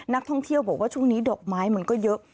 นักท่องเที่ยวบอกว่าช่วงนี้ดอกไม้มันก็เยอะ